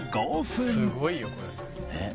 「すごいよこれ」